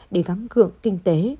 để gắng cưỡng kinh tế